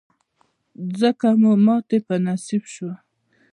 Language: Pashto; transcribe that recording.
ځکه مو ماتې په نصیب شوه.